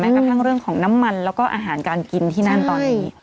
กระทั่งเรื่องของน้ำมันแล้วก็อาหารการกินที่นั่นตอนนี้